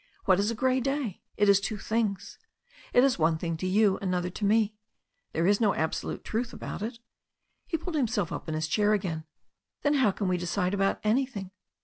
What is a grey day? It is two things. It is one thing to you, another to me. There is no absolute truth about it." He pulled himself up in his chair again. "Then how can one decide about anything?"